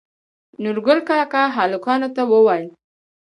نورګل کاکا هلکانو ته وويل